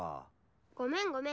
ごめんごめん。